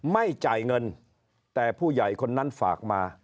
ไม่จ่ายเงินแต่ผู้ใหญ่คนนั้นฝากมา